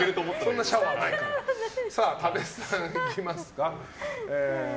さあ、多部さんいきますか。